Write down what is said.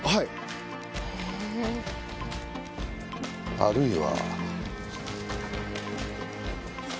あるいは。